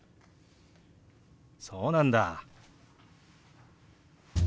そうなんだ。